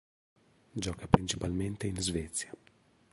Gioca principalmente in Svezia.